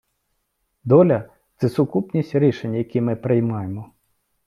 Доля — це сукупність рішень, які ми приймаємо.